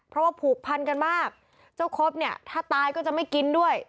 เพราะว่าผูกพันกันมากเจ้าครบเนี่ยถ้าตายก็จะไม่กินด้วย